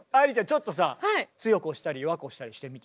ちょっとさ強く押したり弱く押したりしてみて。